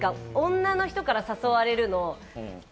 女の人から誘われるの。